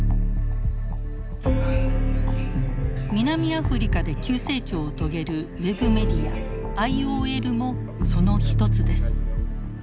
南アフリカで急成長を遂げるウェブメディアＩＯＬもその一つです。